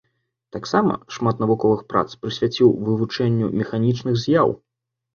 Таксама шмат навуковых прац прысвяціў вывучэнню механічных з'яў.